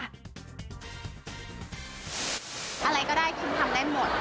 อะไรก็ได้คิมทำได้หมด